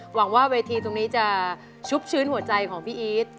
หวังว่าเวทีตรงนี้จะชุบชื้นหัวใจของพี่อีท